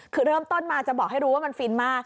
คือเริ่มต้นมาจะบอกให้รู้ว่ามันฟินมาก